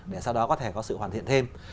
để sau đó có thể có sự hoàn thiện thêm